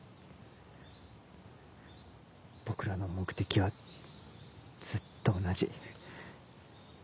僕らの目的はずっと同じ。